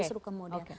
tapi justru kemudian